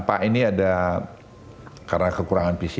pak ini ada karena kekurangan pcr